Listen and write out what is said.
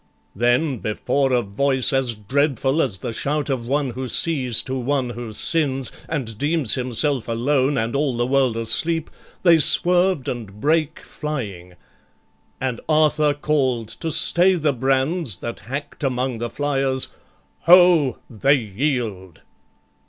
Then, before a voice As dreadful as the shout of one who sees To one who sins, and deems himself alone And all the world asleep, they swerved and brake Flying, and Arthur call'd to stay the brands That hack'd among the flyers, "Ho! they yield!"